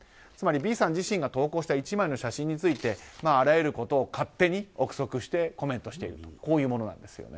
つまり、Ｖさん自身が投稿した１枚の写真についてあらゆることを勝手に憶測してコメントしているというものなんです。